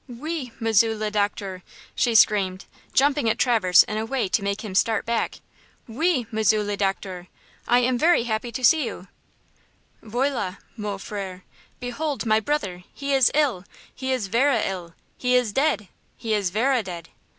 "Ou! Monsieur le Docteur!" she screamed, jumping at Traverse in a way to make him start back; "Ou, Monsieur le Docteur, I am very happy you to see. Voilà mon frère! Behold my brother! He is ill! He is verra ill! He is dead! He is verra dead!"